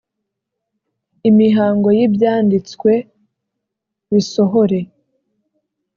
Imihango y’ibyanditswe bisohore